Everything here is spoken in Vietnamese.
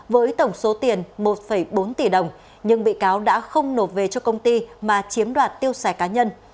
với tổng số tiền một bốn tỷ đồng nhưng bị cáo đã không nộp về cho công ty mà chiếm đoạt tiêu xài cá nhân